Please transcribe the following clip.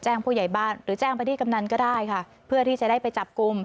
ผู้ใหญ่บ้านหรือแจ้งไปที่กำนันก็ได้ค่ะเพื่อที่จะได้ไปจับกลุ่ม